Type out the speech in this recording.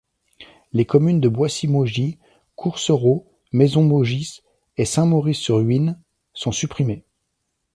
Les communes de Boissy-Maugis, Courcerault, Maison-Maugis et Saint-Maurice-sur-Huisne sont supprimées.